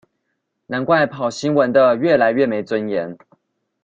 難怪跑新聞的越來越沒尊嚴